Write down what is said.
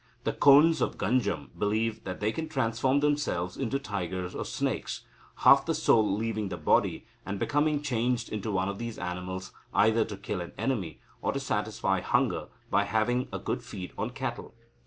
The Kondhs of Ganjam believe that they can transform themselves into tigers or snakes, half the soul leaving the body and becoming changed into one of these animals, either to kill an enemy, or to satisfy hunger by having a good feed on cattle.